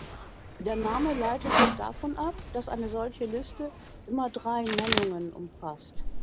Der Name leitet sich davon ab, dass eine solche Liste immer drei Nennungen umfasst.